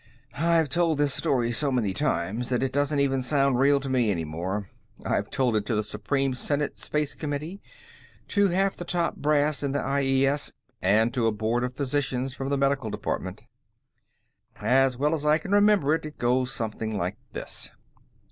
"I've told this story so many times that it doesn't even sound real to me any more. I've told it to the Supreme Senate Space Committee, to half the top brass in the IES, and to a Board of Physicians from the Medical Department. "As well as I can remember it, it goes something like this."